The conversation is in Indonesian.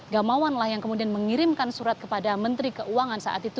gamawan lah yang kemudian mengirimkan surat kepada menteri keuangan saat itu